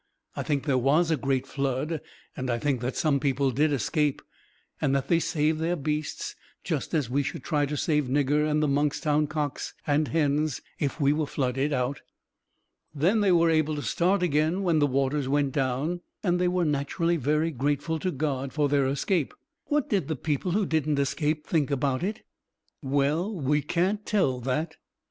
I think there was a great flood, and I think that some people did escape, and that they saved their beasts, just as we should try to save Nigger and the Monkstown cocks and hens if we were flooded out. Then they were able to start again when the waters went down, and they were naturally very grateful to God for their escape." "What did the people who didn't escape think about it?" "Well, we can't tell that."